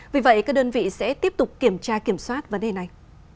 vì vậy các đơn vị sẽ tiếp tục kiểm tra kiểm soát vấn đề này